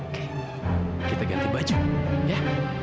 oke kita ganti baju ya